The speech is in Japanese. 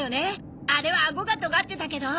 あれはアゴがとがってたけど。